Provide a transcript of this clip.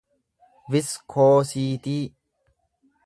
viskoosiitii